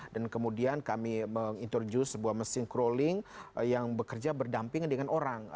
dan kemudian kami menginterview sebuah mesin crawling yang bekerja berdamping dengan orang